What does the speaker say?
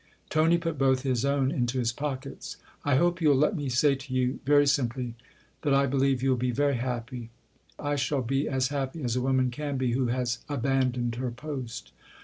Tony put both his own into his pockets. " I hope you'll let me say to you very simply that I believe you'll be very happy." " I shall be as happy as a woman can be who has abandoned her post."